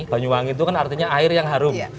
banyuwangi itu kan artinya air yang harum